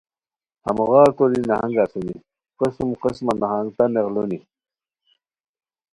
ہموغار توری نہنگ اسونی قسم قسمہ نہنگ، تہ نیغلونی